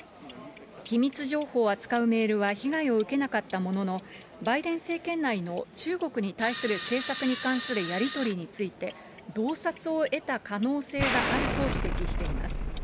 機密情報を扱うメールは被害を受けなかったものの、バイデン政権内の中国に対する政策に関するやり取りについて、洞察を得た可能性があると指摘しています。